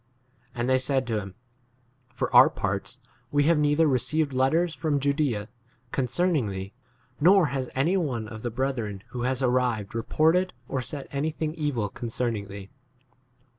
And they said to him, For our parts, we have neither received letters from Judsea concerning thee, nor has any one of the brethren who has arrived reported or said any 22 thing evil concerning thee.